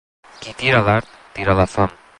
Qui tira l'art tira la fam.